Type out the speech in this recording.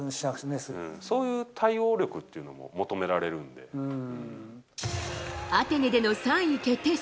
そういう対応力っていうのもアテネでの３位決定戦。